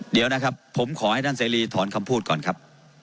เดี๋ยวนะครับผมขอให้ท่านเสรีถอนคำพูดก่อนครับ